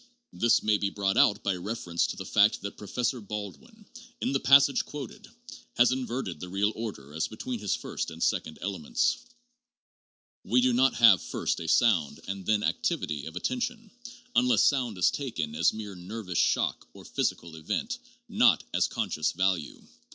This may be brought out by reference to the fact that Professor Baldwin, in the passage quoted, has inverted the real order as between his first and second elements. We do not have first a sound and then activity THE REFLEX ARC CONCEPT. 3 6 3 of attention, unless sound is taken as mere nervous shock or physical event, not as conscious value.